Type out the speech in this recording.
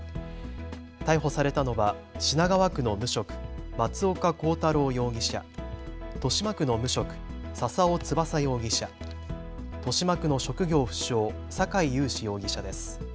逮捕されたのは品川区の無職、松岡洸太郎容疑者、豊島区の無職、笹尾翼容疑者、豊島区の職業不詳、酒井勇志容疑者です。